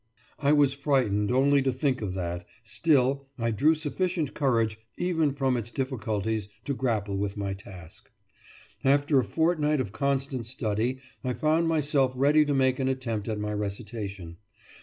I was frightened only to think of that, still I drew sufficient courage even from its difficulties to grapple with my task. After a fortnight of constant study, I found myself ready to make an attempt at my recitation.